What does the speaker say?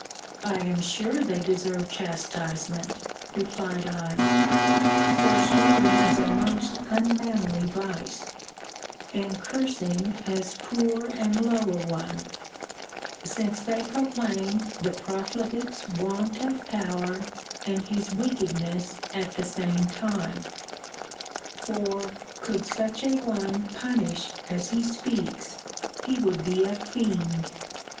I am sure they deserve chastisement, replied I: for swearing is a most unmanly vice, and cursing as poor and low a one; since they proclaim the profligate's want of power, and his wickedness at the same time; for, could such a one punish as he speaks, he would be a fiend!